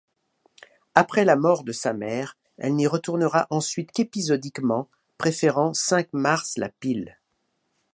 Après la mort de sa mère, elle n’y retournera ensuite qu’épisodiquement, préférant Cinq-Mars-la-Pile.